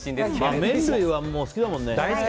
だって麺類は好きだもんね。